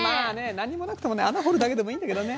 何にもなくてもね穴掘るだけでもいいんだけどね。